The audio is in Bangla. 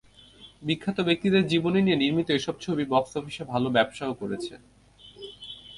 বিখ্যাত ব্যক্তিদের জীবনী নিয়ে নির্মিত এসব ছবি বক্স অফিসে ভালো ব্যবসাও করছে।